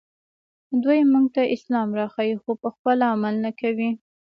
دوی موږ ته اسلام راښيي خو پخپله عمل نه کوي